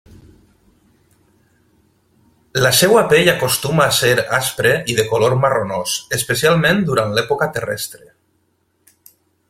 La seva pell acostuma a ser aspre i de color marronós, especialment durant l'època terrestre.